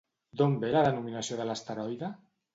D'on ve la denominació de l'asteroide?